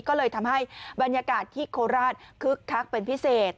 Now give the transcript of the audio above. ก็เลยทำให้บรรยากาศที่โคราชคึกคักเป็นพิเศษ